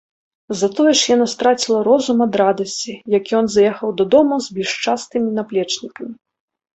Затое ж яна страціла розум ад радасці, як ён заехаў дадому з блішчастымі наплечнікамі.